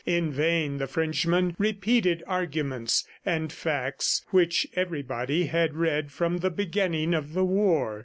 In vain the Frenchman repeated arguments and facts which everybody had read from the beginning of the war.